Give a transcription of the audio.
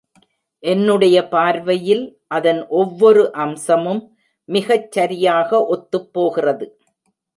என்னுடைய பார்வையில், அதன் ஒவ்வொரு அம்சமும் மிகச் சரியாக ஒத்துப் போகிறது.